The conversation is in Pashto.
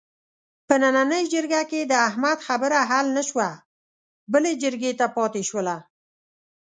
په نننۍ جرګه کې د احمد خبره حل نشوه، بلې جرګې ته پاتې شوله.